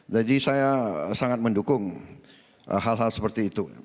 jadi saya sangat mendukung hal hal seperti itu